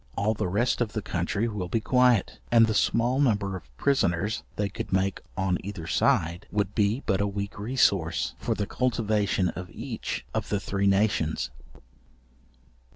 All the rest of the country will be quiet, and the small number of prisoners they could make on either side, would be but a weak resource for the cultivation of each of the three nations.